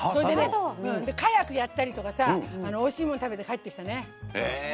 カヤックやったりとかおいしいもの食べて帰ってきてね。